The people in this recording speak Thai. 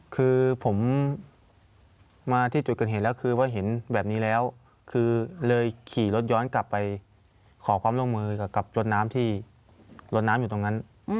คือผมมาที่จุดเกิดเหตุแล้วคือว่าเห็นแบบนี้แล้วคือเลยขี่รถย้อนกลับไปขอความร่วมมือกับรถน้ำที่ลดน้ำอยู่ตรงนั้น